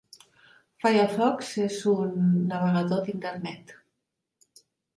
Firefox és un navegador d'internet.